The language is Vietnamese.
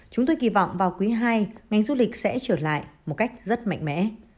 chúng tôi kỳ vọng vào quý ii ngành du lịch sẽ trở lại một cách rất mạnh mẽ